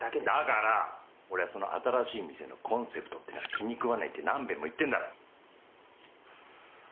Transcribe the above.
だから俺はその新しい店のコンセプトってのが気に食わねえって何遍も言ってんだろ！